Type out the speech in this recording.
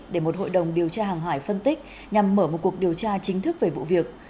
để một hội đồng điều tra hàng hải phân tích nhằm mở một cuộc điều tra chính thức về vụ việc